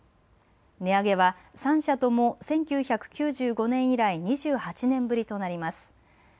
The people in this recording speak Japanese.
値上げは３社とも１９９５年以来２８年ぶりとなります。